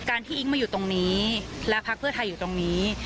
ที่อิ๊งมาอยู่ตรงนี้และพักเพื่อไทยอยู่ตรงนี้